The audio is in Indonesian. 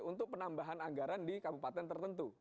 untuk penambahan anggaran di kabupaten tertentu